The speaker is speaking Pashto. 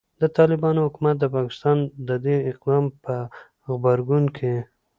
د طالبانو حکومت د پاکستان د دې اقدام په غبرګون کې